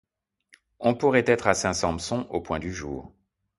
On pourrait être à Saint-Sampson au point du jour.